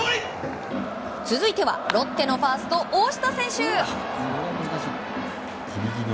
続いてはロッテのファースト大下選手。